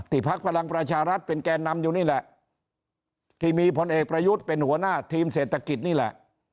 พักพลังประชารัฐเป็นแกนนำอยู่นี่แหละที่มีพลเอกประยุทธ์เป็นหัวหน้าทีมเศรษฐกิจนี่แหละ